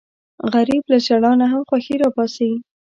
غریب له ژړا نه هم خوښي راوباسي